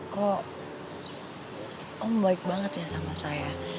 kok om baik banget ya sama saya